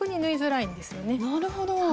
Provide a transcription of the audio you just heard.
なるほど。